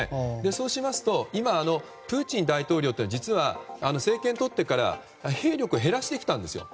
そうすると今プーチン大統領は実は政権を取ってから兵力を減らしてきたんですよ。